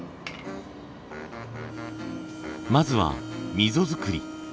まずは溝作り。